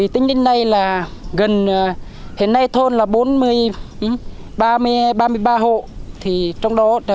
tính đến nay là gần hiện nay thôn là ba mươi ba hộ